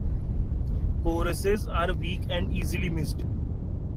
Choruses are weak and easily missed.